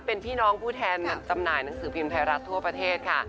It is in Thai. เป็นพี่น้องผู้แทนจำหน่ายหนังสือพิมพ์ไทยรัฐทั่วประเทศค่ะ